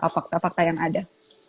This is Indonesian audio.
fakta fakta yang ada